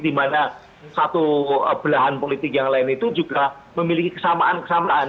dimana satu belahan politik yang lain itu juga memiliki kesamaan kesamaan